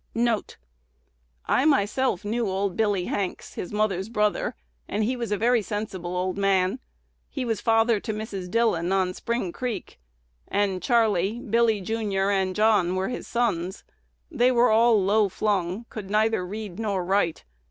"1 1 "I myself knew old Billy Hanks, his mother's brother, and he was a very sensible old man. He was father to Mrs. Dillon, on Spring Creek; and Charley, Billy, jr., and John were his sons: they were all low flung, could neither read nor write.